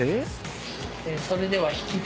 それでは。